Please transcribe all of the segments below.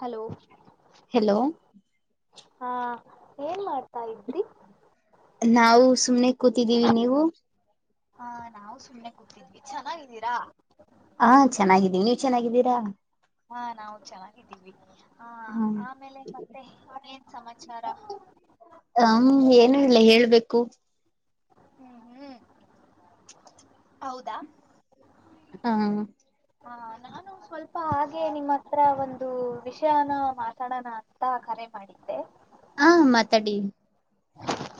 Hello hello ಹಾ ಏನ್ ಮಾಡ್ತಾ ಇದ್ರಿ ನಾವು ಸುಮ್ನೆಗ್ ಕೂತಿದ್ದೀವಿ ನೀವು ಹಾ ನಾವು ಸುಮ್ನೆ ಕೂತಿದ್ವಿ ಚೆನ್ನಾಗಿದ್ದೀರಾ ಹ ಚೆನ್ನಾಗಿದ್ದೀವಿ ನೀವ ಚೆನ್ನಾಗಿದ್ದೀರಾ ಹಾ ನಾವು ಚೆನ್ನಾಗಿದ್ದೀವಿ ಹಾ ಆಮೇಲೆ ಮತ್ತೆ ಏನ್ ಸಮಾಚಾರ ಹ್ಮ್ ಏನು ಇಲ್ಲ ಹೇಳ್ಬೇಕು ಹ್ಮ್ ಹ್ಮ್ ಹೌದಾ ಹ ಹ ನಾನು ಸ್ವಲ್ಪ ಹಾಗೆ ನಿಮ್ಮ ಹತ್ರ ಒಂದು ವಿಷಯನ ಮಾತಾಡೋಣ ಅಂತ ಕರೆ ಮಾಡಿದ್ದೆ ಹಾ ಮಾತಾಡಿ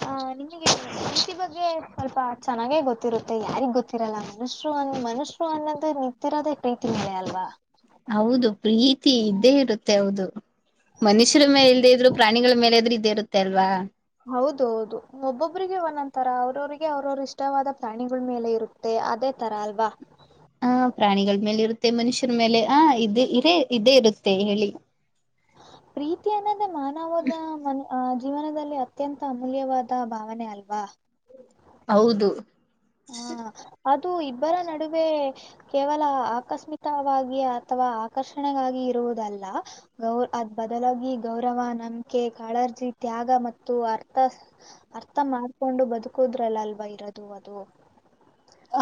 ಆ ನಿಮಗೆ ಪ್ರೀತಿ ಬಗ್ಗೆ ಸ್ವಲ್ಪ ಚೆನ್ನಾಗೆ ಗೊತ್ತಿರುತ್ತೆ ಯಾರಿಗ್ ಗೊತ್ತಿರಲ್ಲ ಮನುಷರು ಅನ್ ಮನುಷ್ಯರು ಅನ್ನೋದು ನಿಂತಿರೋದೇ ಪ್ರೀತಿ ಮ ಅಲ್ವಾ ಹೌದು ಪ್ರೀತಿ ಇದ್ದೇ ಇರುತ್ತೆ ಹೌದು ಮನುಷ್ಯರ ಮೇಲೆ ಇಲ್ದೆೇ ಇದ್ರು ಪ್ರಾಣಿಗಳ ಮೇಲೆ ಇದ್ರು ಇದೇ ಇರುತ್ತೆ ಅಲ್ವಾ ಹೌದ ಹೌದು ಒಬ್ಬೊಬಿಗೆ ಒಂದೊ್ ತರ ಅವ್ರವಿಗೆ ಅವ್ರವ್ರ ಇಷ್ಟವಾದ ಪ್ರಾಣಿಗಳ ಮೇಲೆ ಇರುತ್ತೆ ಅದೇ ತರ ಅಲ್ವಾ ಹ ಪ್ರಾಣಿಗಳ್ ಮೇಲ್ ಇರುತ್ತೆ ಮನುಷ್ಯರ ಮೇಲೆ ಆ ಇ ಇದೇ ಇದೇ ಇರುತ್ತೆ ಹೇಳಿ. ಪ್ರೀತಿ ಅನ್ನದೇ ಮಾನವದ ಮ ಜೀವನದಲ್ಲಿ ಅತ್ಯಂತ ಅಮೂಲ್ಯವಾದ ಭಾವನೆ ಅಲ್ವಾ ಹೌದು ಹ್ಮ ಅ ಮತ್ತು ಇಬ್ಬರ ನಡುವೆ ಕೇವಲ ಆಕಸ್ಮಿಕವಾಗಿ ಅಥವಾ ಆಕರ್ಷಣೆಗಾಗಿ ಇರುವುದಲ್ಲ ಅದ್ ಬದಲಾಗಿ ಗೌರವ ನಂಬಿಕೆ ಕಾಳಜಿ ತ್ಯಾಗ ಮತ್ತು ಅರ್ಥ ಅರ್ಥ ಮಾಡ್ಕೊಂಡು ಬದುಕೋುದ್ರಲ್ಲಲ್ವಾ ಇರೋದು ಅದು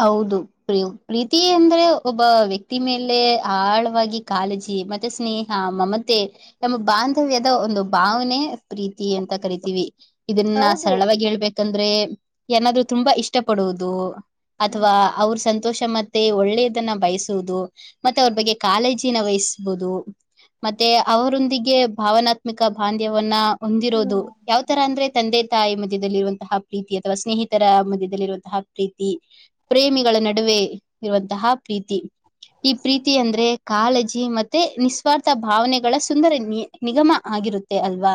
ಹೌದು ಪ್ರ ಪ್ರೀತಿ ಅಂದ್ರೆ ಒಬ್ಬ ವ್ಯಕ್ತಿ ಮೇಲೆ ಆಳವಾಗಿ ಕಾಳಜಿ ಮತ್ತೆ ಸ್ನೇಹ ಮಮತೆ ಎಮ್ಮ ಬಾಂಧವ್ಯದ ಒಂದು ಭಾವನೆ ಪ್ರೀತಿ ಅಂತ ಕರಿತೀವಿ ಇದನ್ನ ಹೌದು ಸರಳವಾಗಿ ಹೇಳ್ಬೇಕಂದ್ರೆ ಏನಾದ್ೂ ತುಂಬಾ ಇಷ್ಟ ಪಡುವುದು ಹ್ಮ್ ಅಥವಾ ಅವ್ರ ಸಂತ ಸಂತೋಷ ಮತ್ತೆ ಒಳ್ಳೆಯದನ್ನ ಬಯಸುವುದು ಮತ್ತೆ ಅವ್ರ ಬಗ್ಗೆ ಕಾಳಜಿ ಚೀ ವಹಿಸಬಹುದು ಮತ್ತೆ ಅವರೊಂದಿಗೆ ಭಾವನಾತ್ಮಕ ಬಾಂಧ್ಯವನ್ನ ಹೊಂದಿರೋದು ಹ್ಮ್ ಯಾವ್ ತರ ಅಂದ್ರೆ ತಂದೆ ತಾಯಿ ಮತ್ತೆ ಮಧ್ಯದಲ್ಲಿರುವಂತಹ ಪ್ರೀತಿ ಅಥವಾ ಸ್ನೇಹಿತರ ಮಧ್ಯದಲ್ಲಿರುವಂತಹ ಪ್ರೀತಿ [unintelligible] ಪ್ರೇಮಿಗಳ ನಡುವೆ ಇರುವಂತಹ ಪ್ರೀತಿ ಈ ಪ್ರೀತಿ ಅಂದ್ರೆ ಕಾಳಜಿ ಮತ್ತೆ ನಿಸ್ವಾರ್ಥ ಭಾವನೆಗಳ ಸುಂದರ ನಿ ನಿಗಮ ಆಗಿರುತ್ತೆ ಅಲ್ವಾ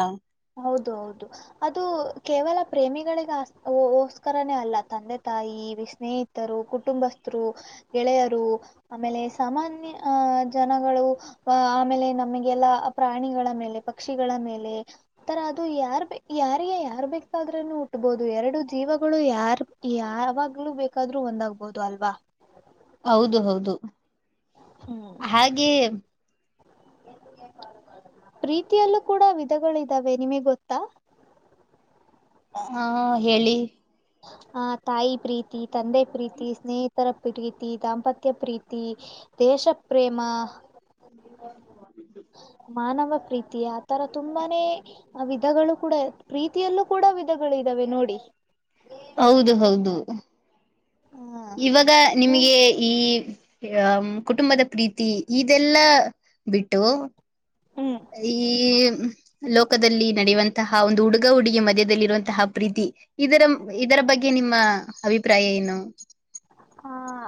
ಹೌದು ಹೌದು ಅದು ಕೇವಲ ಪ್ರೇಮಿಗಳಿಗೆೋಸ್ಕರನೇ ಅಲ್ಲ ತಂದೆ ತಾಯಿ ಸ್ನೇಹಿತರು ಕುಟುಂಬಸ್ಥರು ಗೆಳೆಯರು ಆಮೇಲೆ ಸಾಮಾನ್ಯ ಅಹ ಜನಗಳು ಆಮೇಲೆ ನಮಗೆಲ್ಲ ಪ್ರಾಣಿಗಳ ಮೇಲೆ ಪಕ್ಷಿಗಳ ಮೇಲೆ ತರ ಅದು ಯಾರ್ ಬ ಯಾರಿಗೆ ಯಾರ್ ಬೇಕಾದ್ರೂನು ಹುಟ್ಬಹುದು ಎರಡು ಜೀವಗಳು ಯಾರ್ ಯಾವಾಗ್ಲೂ ಬೇಕಾದ್ರೂ ಒಂದಾಗಬಹದು ಅಲ್ವಾ ಹೌದು ಹೌದು ಹ್ಮ್ ಹಾಗೆ ಪ್ರೀತಿಯಲ್ಲೂ ಕೂಡ ವಿಧಗಳಿದ್ದಾವೆ ನಿಮಗೆ ಗೊತ್ತಾ ಹಾ ಹೇಳಿ ಆ ತಾಯಿ ಪ್ರೀತಿ ತಂದೆ ಪ್ರೀತಿ ಸ್ನೇಹಿತರ ಪ್ರೀತಿ ದಾಂಪತ್ಯ ಪ್ರೀತಿ ದೇಶ ಪ್ರ್ರೇಮ ಮಾನವ ಪ್ರೀತಿ ಆತರ ತುಂಬಾನೇ ವಿಧಗಳು ಕೂಡ ಪ್ರೀತಿಯಲ್ಲೂ ಕೂಡ ವಿಧಗಳು ಇದಾವೆ ನೋಡಿ ಹೌದು ಹೌದು ಹ ಇವಾಗ ಹ್ಮ್ ನಿಮ್ಗೆ ಈ ಆ ಕುಟುಂಬದ ಪ್ರೀತಿ ಇದೆಲ್ಲಾ ಬಿಟ್ಟು ಹ್ಮ್ ಈ ಲೋಕದಲ್ಲಿ ನಡೆಯುವಂತಹ ಒಂದು ಹುಡುಗ ಹುಡುಗಿ ಮಧ್ಯ್ಯದಲ್ಲಿರುವಂತಹ ಪ್ರೀತಿ ಇದರ ಇದರ ಬಗ್ಗೆ ನಿಮ್ಮ ಅಭಿಪ್ರಾಯ ಏನು ಹ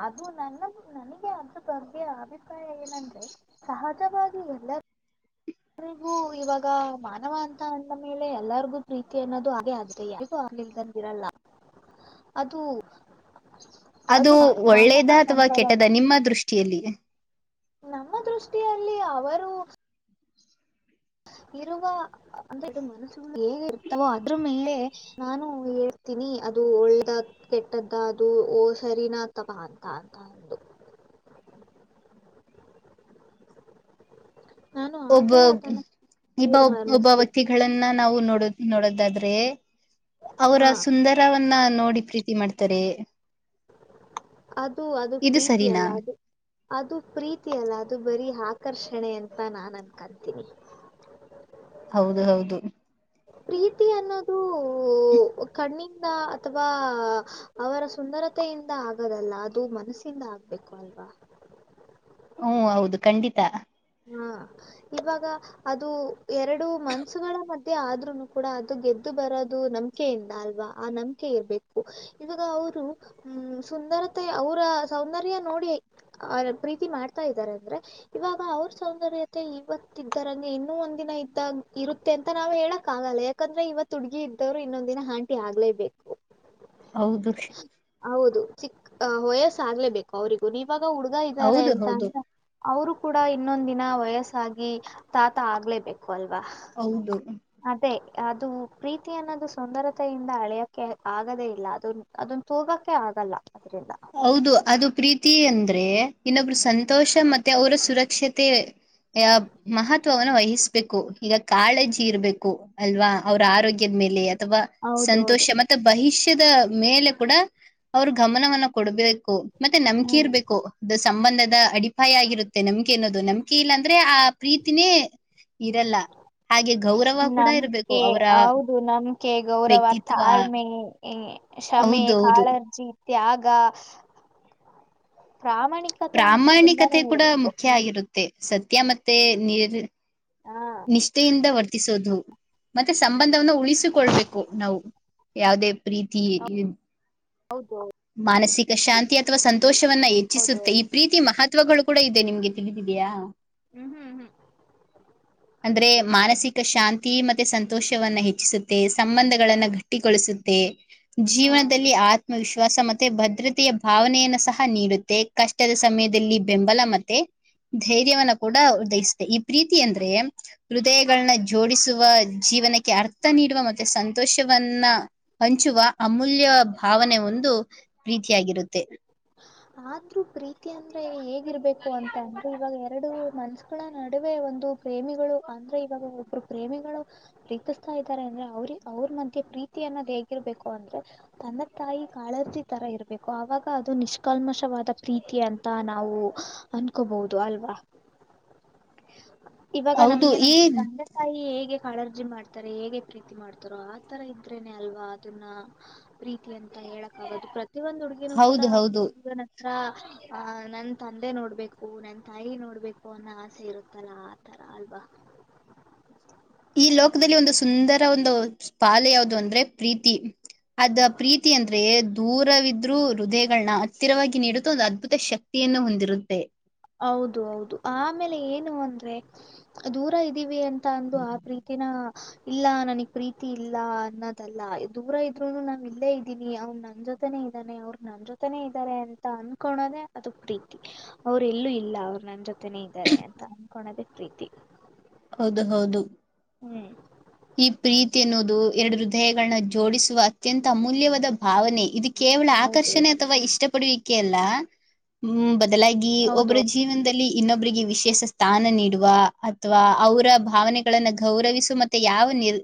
ಅದು ನನ್ನ ನನಗೆ ಅದ್ರ ಬಗ್ಗೆ ಅಭಿಪ್ರಾಯ ಏನಂದ್ರೆ ಸಹಜವಾಗಿ ಎಲ್ಲರೂ ಎರಿಗೂ ಇವಾಗ ಮಾನವ ಅಂತ ಅಂದ ಮೇಲೆ ಎಲ್ಲರಿಗೂ ಪ್ರೀತಿ ಅನ್ನೋದು ಹಾಗೆ ಆಗಿದೆ ಯಾರಿಗೂ ಆಗ್ ನಿಲ್ದನ್ ಇರಲ್ಲ ಅದು ಅದು ಮಾನವ ಒಳ್ಳೇದ ಅಥವಾ ಸಂಪದನ ಕೆಟ್ಟದ ನಿಮ್ಮ ದೃಷ್ಟಿಯಲ್ಲಿ ನಮ್ಮ ದೃಷ್ಟಿಯಲ್ಲಿ ಅವರು ಇರುವ ಅಂದ್ರೆದು ಮನಸ್ಸು ಹೇಗಿರ್ತವೋ ಅದ್ರ ಮೇಲೆ ನಾನು ಹೇಳ್ತೀನಿ ಅದು ಒಳ್ಳದ ಕೆಟ್ಟದ್ದ ಅದು ಓ ಸರಿನ ತವ ಅಂತ ಅಂತ ಒಂದು. ನಾನು ಒಬ್ಬ ಆತರ ಅದನ್ನ ಇಬ್ಬ ಒಬ್ ಒಬ್ಬ ತೀರ್ಮಾನಿಸ್ತೀನಿ ವ್ಯಕ್ತಿಗಳನ್ನ. ನಾವು ನೋಡೋದ್ ನೋಡದಾದ್ರೆ. ಅವ್ರ ಹಾ ಸುಂದರವನ್ನ. ನೋಡಿ ಪ್ರೀತಿ ಮಾಡ್ತಾರೆ. ಅದು ಅದು ಇದು ಪ್ರೀತಿ ಸರಿನಾ ಅಲ್ಲ ಅದು ಅದು ಪ್ರೀತಿ ಅಲ್ಲ ಅದು ಬರಿ ಹಾ ಆಕರ್ಷಣೆ ಅಂತ ನಾನ್ ಅನ್ಕತೀನಿ. ಹೌದು ಹೌದು. ಪ್ರೀತಿ ಅನ್ನೋದು ಕಣ್ಣಿಂದ ಅಥವಾ ಅವರ ಸುಂದರತೆಯಿಂದ ಆಗದಲ್ಲ ಅದು ಮನಸ್ಸಿಂದ ಆಗ್ಬೇಕು ಅಲ್ವಾ. ಹು ಹೌದು ಖಂಡಿತ. ಹಾ ಇವಾಗ ಅದು ಎರಡು ಮನ್ಸುಗಳ ಮಧ್ಯೆ ಆದ್ರುನು ಕೂಡ ಅದು ಗೆದ್ದು ಬರೋದು ನಂಬ್ಕೆಯಿಂದ ಅಲ್ವಾ ಆ ನಂಬ್ಕೆ ಇರ್ಬೇಕು ಇವಾಗ ಅವ್ರು ಹ್ಮ ಸುಂದರತೆ ಅವ್ರ ಸೌಂದರ್ಯ ನೋಡಿ ಪ್ರೀತಿ ಮಾಡ್ತಾ ಇದ್ದಾರೆ ಅಂದ್ರೆ ಇವಾಗ ಅವ್ರ್. ಸೌಂದರ್ಯತೆ ಇವತ್ತ ಇದ್ದರಂಗೆ ಇನ್ನು ಒಂದ್ ದಿನ ಇದ್ದಾಗ ಇರುತ್ತೆ ಅಂತ ನಾವ್ ಹೇಳಕ್ ಆಗಲ್ಲ ಯಾಕಂದ್ರೆ ಇವತ್ ಹುಡ್ಗಿ ಇದ್ದವ್ರು ಇನ್ನೊಂದ್ ದಿನ ಹಾಂಟಿ ಆಗ್ಲೇಬೇಕು. ಹೌದು ಹೌದು ಚಿಕ್ ವಯಸ್ಸ ಆಗ್ಲೇಬೇಕು ಅವ್ರಿಗೂ ನೀವ್ ಇವಾಗ ಹುಡ್ಗ ಇದ್ದಾರೆ ಹೌದು ಅಂತ ಹೌದು ಅಂದ್ರೆ. ಅವ್ರು ಕೂಡ ಇನ್ನೊಂದ್ ದಿನ ವಯಸ್ಸಾಗಿ ತಾತ ಆಗ್ಲೇಬೇಕು. ವಲ್ವಾ ಹೌದು ಅದೇ. ಅದು ಪ್ರೀತಿ ಅನ್ನೋದು ಸುಂದರತೆಯಿಂದ ಅಳೆಯಕ್ಕೆೆ ಆಗದೇ ಇಲ್ಲ ಅದು ಅದನ್ನ ತೋಗಕ್ಕೆೆ ಆಗಲ್ಲ ಅದ್ರಂದ ಹೌದು ಅದು ಪ್ರೀತಿ ಅಂದ್ರೆ ಇನ್ನೊಬ್ರು ಸಂತೋಷ ಮತ್ತೆ ಅವರ ಸುರಕ್ಷತೆ ಮಹತ್ವವನ್ನು ವಹಿಸ್ಬೇಕು ಈಗ ಕಾಳಜಿ ಇರ್ಬೇಕು ಅಲ್ವಾ ಅವ್ರ ಆರೋಗ್ಯದ ಮೇಲೆ ಅಥವಾ ಸಂತೋಷ ಹೌದೌದು ಮತ್ತೆ ಬಹಿಷ ಭವಿಷ್ಯದ ಮೇಲೆ ಕೂಡ ಅವರು ಗಮನವನ್ನು ಕೊಡ್ಬೇಕು ಮತ್ತೆ ನಂಬಿಕೆ ಹ್ಮ್ ಇರ್ಬೇಕು [unintelligible] ಸಂಬಂಧದ ಅಡಿಪಾಯ ಆಗಿರುತ್ತೆ ನಮ್ಗೆೆ ಅನ್ನೋದು ನಂಬಿಕೆ ಇಲ್ಲ ಪ್ರೀತಿನೇ ಇರಲ್ಲ ಹಾಗೆ ಗೌರವ ಕೂಡ ಇರ್ಬೇಕು ನಂಬಿಕೆ ಅವರ ಹೌದು ನಂಬಿಕೆ ಗೌರವ ವ್ಯಕ್ತಿತ್ವ ತಾಳ್ಮೆ [unintelligible] ಕ್ಷಮೆ ಹೌದೌದು ಕಾಳಜಿ ತ್ಯಾಗ ಪ್ರಾಮಾಣಿಕತೆ ಅಂತೂ ತುಂಬಾನೇ ಪ್ರಾಮಾಣಿಕತೆ ಕೂಡ ಇರ್ಬೇಕು ಮುಖ್ಯ ಹ್ಮ್ ಆಗಿರುತ್ತೆ ಸತ್ಯ ಮತ್ತೆ ನೀರ್ ಹಾ ನಿಷ್ಠೆಯಿಂದ ವರ್ತ ವತಿಸೋದು ಮತ್ತೆ ಸಂಬಂಧವನ್ನ ಉಳಿಸಿಕೊಳ್ಬೇಕು ನಾವು ಯಾವವುದೇ ಪ್ರೀತಿ ಹೌದು ಮಾನಸಿಕ ಶಾಂತಿ ಅಥವಾ ಸಂತೋಷವನ್ನ ಹೌದು ಹೌದು. ಹೆಚ್ಚಿಸುತ್ತೆ ಈ ಪ್ರೀತಿ ಮಹತ್ ತತ್ವಗಳು ಕೂಡ ಇದೆ ನಿಮ್ಗೆ ತಿಳಿದೆಯಾ. ಹ್ಮ್ ಹ್ಮ್ ಹ್ಮ್ ಅಂದ್ರೆ ಮಾನಸಿಕ ಶಾಂತಿ ಮತ್ತೆ ಸಂತೋಷವನ್ನ ಹೆಚ್ಚಿಸುತ್ತೆ ಸಂಬಂಧಗಳನ್ನ ಗಟ್ಟಿಗೊಳಿಸುತ್ತೆ. ಹಾ ಜೀವನದಲ್ಲಿ ಆದ್ ವಿಶ್ವಾಸ ಮತ್ತೆ ಭದ್ರತೆಯ ಭಾವನೆಯನ್ನು ಸಹ ನೀಡುತ್ತೆ ಕಷ್ಟದ ಸಮಯದಲ್ಲಿ ಬೆಂಬಲ ಮತ್ತೆ ಧೈರ್ಯವನ್ನ ಕೂಡ ಉದಯಿಸುತ್ತೆ ಈ ಪ್ರೀತಿ ಅಂದ್ರೆ ಹೃದಯಗಳನ್ನ ಜೋಡಿಸುವ ಜೀವನಕ್ಕೆ ಅರ್ಥ ನೀಡುವ ಮತ್ತೆ ಸಂತೋಷವನ್ನ ಹಂಚುವ ಅಮೂಲ್ಯ ಭಾವನೆ ಒಂದು ಪ್ರೀತಿಯಾಗಿರುತ್ತೆ ಆದ್ರೂ ಪ್ರೀತಿ ಅಂದ್ರೆ ಹೇಗ್ ಇರ್ಬೇಕು ಅಂತ ಅಂದ್ರೆ ಇವಾಗ ಎರಡು ಮನ್ಸಗಳ ನಡುವೆ ಒಂದು ಪ್ರೇಮಿಗಳು ಅಂದ್ರೆ ಇವಾಗ ಒಬ್ರು ಪ್ರೇಮಿಗಳು ಪ್ರೀತಿಸ್ತಾ ಇದ್ದಾರೆ ಅಂದ್ರೆ ಅವ್ರ ಅವ್ರ ಮಧ್ಯೆ ಪ್ರೀತಿ ಅನ್ನೋದ ಹೇಗಿರ್ಬೇಕು ಅಂದ್ರೆ ತನ್ನ ತಾಯಿ ಕಾಳಜಿ ತರ ಇರ್ಬೇಕು ಅವಾಗ ದು ನಿಷ್ಕಲ್ಮಶವಾದ ಪ್ರೀತಿ ಅಂತ ನಾವು ಅನ್ಕೋಬಹುದು ಅಲ್ವಾ ಇವಾಗ ಹೌದು ನಮ್ಗೆ ಈ ನಮ್ಮ ತಂದೆ ತಾಯಿ ಹೇಗೆ ಹೇಗೆ ಕಳರ್ಜಿ ಮಾಡ್ತಾರೆ ಹೇಗೆ ಪ್ರೀತಿ ಮಾಡ್ತಾರೋ ಆತರ ಇದ್ರೇನೆ ಅಲ್ವಾ ಅದನ್ನ ಪ್ರೀತಿ ಅಂತ ಹೇಳಕ್ ಆಾಗೋದು ಪ್ರತಿ ಒಂದು ಹುಡುಗನ ಕೂ ಹದು ಆ ನನ್ ತಂದೆ ನೋಡ್ಬೇಕು ನನ್ ತಾಯಿ ನೋಡ್ಬೇಕು ಅನ್ನೋ ಆಸೆ ಇರುತ್ತಲ್ಲಾ ಆತರ ಅಲ್ವಾ ಈ ಲೋಕದಲ್ಲಿ ಒಂದು ಸುಂದರ ಒಂದು ಪಾಲ ಯಾವುದು ಅಂದ್ರೆ ಪ್ರೀತಿ ಅದ ಪ್ರೀತಿ ಅಂದ್ರೆ ದೂರವಿದ್ರರು ಹೃದಯಗಳನ್ನ ಹತ್ತಿರವಾಗಿ ನೀಡುತ್ತ ಒಂದು ಅದ್ಭುತ ಶಕ್ತಿಯನ್ನು ಹೊಂದಿರುತ್ತೆ ಹೌದು ಹೌದು ಆಮೇಲೆ ಏನು ಅಂದ್ರೆ ದೂರ ಇದ್ದೀವಿ ಅಂತ ಂದು ಆ ಪ್ರೀತಿನ ಇಲ್ಲ ನನಗ್ ಪ್ರೀತಿ ಇಲ್ಲ ಅನ್ನೋದಲ್ಲ ದೂರ ಇದ್ರುನು ನಾ ಇಲ್ಲೇ ಇದ್ದೀನಿ ಅವನ್ ನನ್ ಜೊತೆನೇ ಇದ್ದಾನೆ ಅವ್ರ ನನ್ ಜೊತೆನೆೇ ಇದ್ದಾರೆ ಅಂತ ಅನ್ಕೊಳೋದೆೇ ಅದ ಪ್ರೀತಿ ಅವರು ಎಲ್ಲೂ ಇಲ್ಲ ಅವ್ರ ನನ್ನ ಜ ನೀತೇಂತ ಕೊಣದ ಪ್ರೀತಿ ಹೌದು ಹೌದು ಹ್ಮ್ ಈ ಪ್ರೀತಿ ಎನ್ನುೋದು ಎರಡು ಹೃದಯಗಳನ್ನ ಜೋಡಿಸುವ ಅತ್ಯಂತ ಅಮೂಲ್ಯವಾದ ಭಾವನೆ ಇದಕ್ಕೆ ಕೇವಲ ಹೌದು ಆಕರ್ಷಣೆ ಅಥವಾ ಇಷ್ಟ ಪಡುವ ಲ್ಲ ಬದಲಾಗಿ ಹೌದು ಒಬ್ಬರ ಜೀವನದಲ್ಲಿ ಇನ್ನೊಬ್ಬರಿಗೆ ವಿಶೇಷ ಸ್ಥಾನ ನೀಡುವ ಅಥವಾ ಅವರ ಭಾವನೆಗಳನ್ನ ಗೌರವಿಸುವ ಮತ್ತು ಮ ಯಾವ ನಿರ್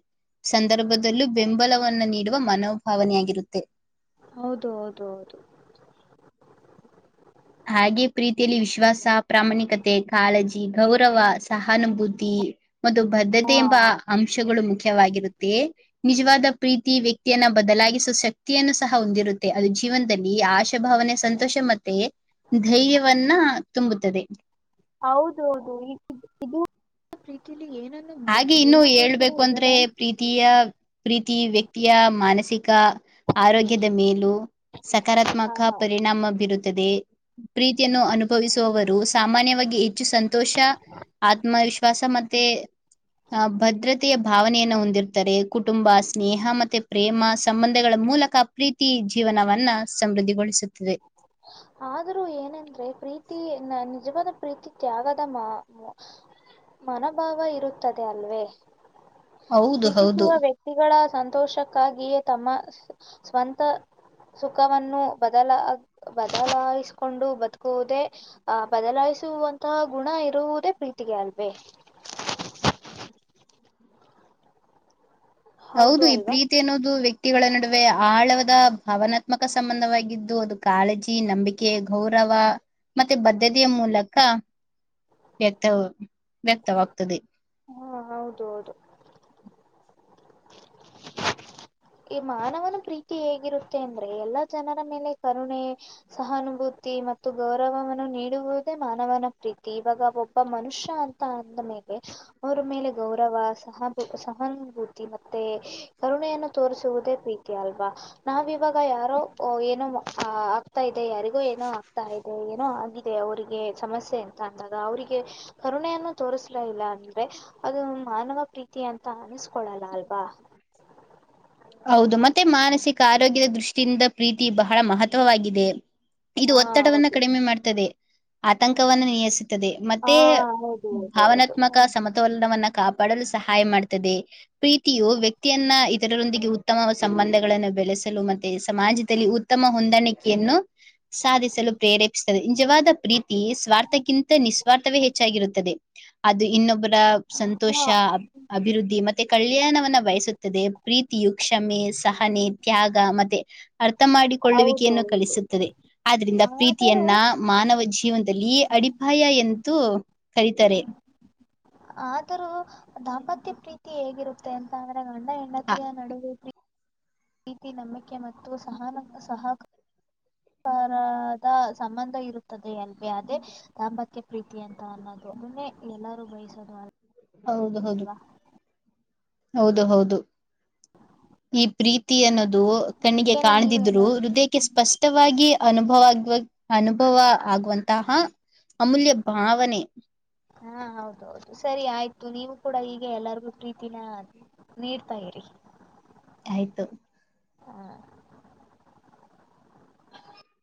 ಸಂದರ್ಭದಲ್ಲೂ ಬೆಂಬಲವನ್ನ ನೀಡುವ ಮನೋಭಾವನೆಯಾಗಿರುತ್ತೆ ಹೌದು ಹೌದು ಹೌದು ಹಾಗೆ ಪ್ರೀತಿಯಲ್ಲಿ ವಿಶ್ವಾಸ ಪ್ರಾಮಾಣಿಕತೆ ಕಾಲಜ ಗೌರವ ಸಹಾನುಭೂತಿ ಮತ್ತು ಹಾ ಬದ್ಧತೆ ಎಂಬ ಅಂಶಗಳು ಮುಖ್ಯವಾಗಿರುತ್ತೆ ನಿಜವಾದ ಪ್ರೀತಿ ವ್ಯಕ್ತಿಯನ್ನ ಬದಲಾಗಿಸುವ ಶಕ್ತಿಯನ್ನು ಸಹ ಹೊಂದಿರುತ್ತೆ ಅದು ಜೀವನದಲ್ಲಿ ಆಶಾಭಾವನೆ ಸಂತೋಷ ಮತ್ತೆ ಧೈರ್ಯವನ್ನ ತುಂಬುತ್ತದೆ ಹೌದೌದು ಇದುೀತಿ ಹಾಗೆ ಇನ್ನು ಹೇಳ್ಬೇಕು ಅಂದ್ರೆ ಬದಲಾಯಿಸ ಪ್ರೀತಿಯ ಪ್ರೀತಿ ವ್ಯಕ್ತಿಯ ಮಾನಸಿಕ. ಆರೋಗ್ಯದ ಮೇಲೂ ಸಕಾರಾತ್ಮಕ ಪರಿಣಾಮ ಬೀರುತ್ ಪ್ರೀತಿಯನ್ನು ಅನುಭವಿಸುವವರು ಸಾಮಾನ್ಯವಾಗಿ ಹೆಚ್ಚು ಸಂತ ತೋಷ ಆತ್ಮವಿಶ್ವಾಸ ಮತ್ತೆ. ಆ ಭದ್ರತೆಯ ಭಾವನೆಯನ್ನು ಹೊಂದಿರ್ತ್ತಾರೆ, ಕುಟುಂಬ ಸ್ನೇಹ ಮತ್ತೆ ಪ್ರೇಮ ಸಂಬಂಧಗಳ ಮೂಲಕ ಪ್ರೀತಿ ಜೀವನವನ್ನ ಸಮೃದ್ಧಿಗೊಳಿಸು ಆದ್ರೂ ಏನಂದ್ರೆ ಪ್ರೀತಿ ನ ನಿಜವಾದ ಪ್ರೀತಿ ತ್ಯಾಗದ ಮಾ ಮನೋಭಾವ ಇರುತ್ತದೆ ಅಲ್ವೇ. ಹೌದು ಪ್ರೀತಿಸುವ ಹೌದು ವ್ಯಕ್ತಿಗಳ ಸನ್ ಸಂತೋಷಕ್ಕಾಗಿಯೇ ತಮ್ಮ ಸ್ವಂತ ಸುಖವನ್ನು ಬದಲ ಬದಲಾಯಿಸ್ಕೊಂಡು ಬದುಕುವುದೇ ಆ ಬದಲಾಯಿಸುವಂತ ಗುಣ ಇರುವುದೇ ಪ್ರೀತಿಗೆ ಅಲ್ವೇ. ಹೌದು ಈ ಪ್ರೀತಿ ಅನ್ನೋದು ವ್ಯಕ್ ವ್ಯಕ್ತಿಗಳ ನಡುವೆ ಆಳವದ ಭಾವನಾತ್ಮಕ ಸಂಬಂಧವಾಗಿದ್ದು ಅದು ಕಾಳಜಿ ನಂಬಿಕೆ ಗೌರವ ಮತ್ತೆ ಬದ್ಧತೆಯ ಮೂಲಕ ವ್ಯಕ್ತ ವ್ಯಕ್ತವಾಗ್ತದೆ. ಹಾ ಹೌದು ಹೌದು ಈ ಮಾನವನ ಪ್ರೀತಿ ಹೇಗಿರುತ್ತೆ ಅಂದ್ರೆ ಎಲ್ಲಾ ಜನರ ಮೇಲೆ ಕರುಣೆ ಸಹಾನುಭೂತಿ ಮತ್ತು ಗೌರವವನ್ನು ನೀಡುವುದೇ ಮಾನವನ ಪ್ರೀತಿ ಇವಾಗ ಒಬ್ಬ ಮನುಷ್ಯ ಅಂತ ಅಂದ ಮೇಲೆ ಅವ್ರ ಮೇಲೆ ಗೌರವ ಸಹಬು ಸಹಾನುಭೂತಿ ಮತ್ತೆ ಕರುಣೆಯನ್ನು ತೋರಿಸುವುದೇ ಪ್ರೀತಿ ಅಲ್ವಾ ನಾವಿ ಇವಾಗ ಯಾರೋ ಏನ ಆ ಆಗ್ತಾ ಇದೆ ಯಾರಿಗೂ ಏನೋ ಆಗ್ತಾ ಇದೆ ಏನೋ ಆಗ ಅವರಿಗೆ ಸಮಸ್ಯೆ ಅಂತ ಅನ್ನದಾಗ ಅವರಿಗೆ ಕರುಣೆಯನ್ನು ತೋರಿಸಲ ಇಲ್ಲ ಅಂದ್ರೆ ಅದು ಮಾನವ ಪ್ರೀತಿ ಅಂತ ಅನ್ನಿಸ ಕೊಡಲಾಲ್ವಾ ಹೌದು ಮತ್ತೆ ಮಾನಸಿಕ ಆರೋಗ್ಯದ ದೃಷ್ಟಿಯಿಂದ ಪ್ರೀತಿ ಬಹಳ ಮಹತ್ವವಾಗಿದೆ ಇದು ಹಾ ಒತ್ತಡವನ್ನ ಹೌದು ಕಡಿಮೆ ಮಾಡ್ತದೆ ಆತಂಕವನ್ನ ನಿಯಿಸುತ್ತದೆ ಹಾ ಮತ್ತೆ ಹೌದು ಹೌದು ಭಾವನಾತ್ಮಕ ಹೌದು ಸಮತೋಲನವನ್ನ ಕ ಪಾಡಲು ಸಹಾಯ ಮಾಡುತ್ತದೆ ಪ್ರೀತಿಯು ವ್ಯಕ್ತಿಯನ್ನ ಇತರರೊಂದಿಗೆ ಉತ್ತಮ ಸಂಬಂಧಗಳನ್ನು ಬೆಳೆಸಲು ಮತ್ತೆ ಸಮಾಜದಲ್ಲಿ ಉತ್ತಮ ಹೊಂದಾಣಿಕೆಯನ್ನು ಸಾಧಿಸಲು ಪ್ರೇರೇಪಿಸುತ್ತದೆ ನಿಜವಾದ ಪ್ರೀತಿ ಸ್ವಾರ್ಥಕ್ಕಿಂತ ನಿಸ್ವಾರ್ಥವೇ ಹೆಚ್ಚಾಗಿರುತ್ತದೆ ಅದು ಇನ್ನೊಬ್ಬರು ಸಂತೋಷ ಹಾ ಅಭಿವೃದ್ಧಿ ಮತ್ತೆ ಮತ್ತೇ ಕಲ್ಯಾಣವನ್ನ ಬಯಸುತ್ತದೆ ಪ್ರೀತಿ ಿಯು ಕ್ಷಮೆ ಸಹನೆ ತ್ಯಾಗ ಮತ್ತೆ ಅರ್ಥ ಹೌದು ಮಾಡಿಕೊಳ್ಳುವಿಕೆಯನ್ನು ಹೌದು ಕಲಿಸುತ್ತದೆ ಆದ್ರಿಂದ ಆದರೂ ಪ್ರೀತಿಯನ್ನ ಮಾನವ ಜೀವನದಲ್ಲಿ ಅಡಿಪಾಯ ಎಂದು ಕರೀತಾರೆ ಆದರೂ ದಾಂಪತ್ಯ ಪ್ರೀತಿ ಹೇಗಿರುತ್ತೆ ಅಂತ ಗಂಡ ಹ ಹೆಂಡತಿಯ ನಡುವೆ ಪ್ರೀತಿ ನಂಬಿಕೆ ಮತ್ತು ಸಹನ ಸಹಹಕಾರದ ಸಂಬಂಧ ಇರುತ್ತದ ಅಲ್ವೇ ಅದೇ ದಾಂಪತ್ಯ ಪ್ರೀತಿ ಅಂತ ಅನ್ನೋದು ಅದುನ್ನೇ ಎಲ್ಲರೂ ಬಯಸೋದು ಅಲ್ ಹೌದ ಹೌದು ಹೌದು ಹೌದು ಈ ಪ್ರೀತಿ ಅನ್ನೋದು ಕಣ್ಣಿಗೆ ಏನೇ ನೀವು ಕಾಣದಿದ್ರು ಎಲ್ಲಾರೂ ಹೃದಯಕ್ಕೆ ಸ್ಪಷ್ಟವಾಗಿ ಅನುಭವ ಆಗುವ ಅನುಭವ ಆಗುವಂತಹ ಅಮೂಲ್ಯ ಭಾವನೆ ಹಾ ಹೌದೌದು ಸರಿ ಆಯ್ತು ನೀವು ಕೂಡ ಈಗ ಎಲ್ಲರಿಗೂ ಪ್ರೀತಿನ ನೀಡ್ತಾ ಇರಿ ಆಯ್ತು ಹ